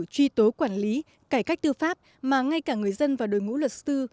truy tố quản lý cải cách tư pháp mà ngay cả người dân và đội ngũ luật sư